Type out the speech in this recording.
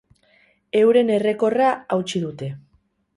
Euren errekorra hautsi dute.